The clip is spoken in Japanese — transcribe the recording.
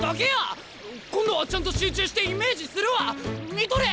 今度はちゃんと集中してイメージするわ見とれ！